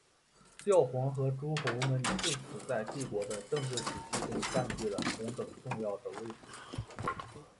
教皇和诸侯们自此在帝国的政治体系中占据了同等重要的位置。